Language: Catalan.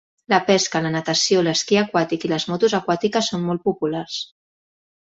La pesca, la natació, l'esquí aquàtic i les motos aquàtiques són molt populars.